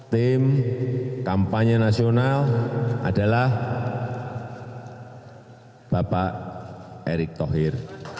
tim kampanye nasional adalah bapak erick thohir